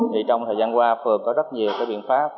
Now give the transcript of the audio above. thì trong thời gian qua phường có rất nhiều cái biện pháp